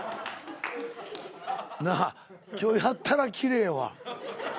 なあ今日やたらきれいわ。